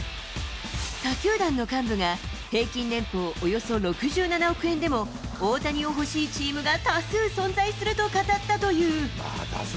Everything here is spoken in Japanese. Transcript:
他球団の幹部が、平均年俸およそ６７億円でも、大谷を欲しいチームが多数存在すると語ったという。